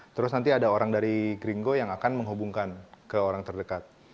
terus nanti ada orang dari gringo yang akan menghubungkan ke orang terdekat